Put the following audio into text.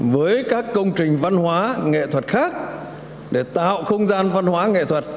với các công trình văn hóa nghệ thuật khác để tạo không gian văn hóa nghệ thuật